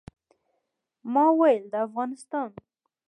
ما ویل د افغانستان.